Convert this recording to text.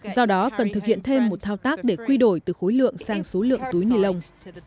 do đó cần thực hiện thêm một thao tác để quy đổi từ khối lượng sang số lượng túi ni lông